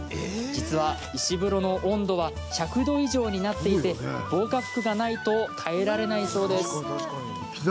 実は、石風呂の温度は１００度以上になっていて防火服がないと耐えられないそうです。